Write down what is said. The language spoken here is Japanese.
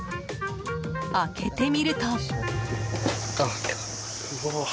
開けてみると。